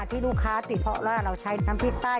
ที่ลูกค้าติดเพราะว่าเราใช้น้ำพริกใต้